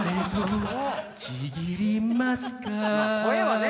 声はね